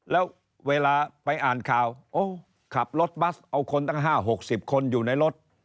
แล้วเวลาไปอ่านข่าวโอ้ขับรถบัสเอาคนตั้ง๕๖๐คนอยู่ในรถ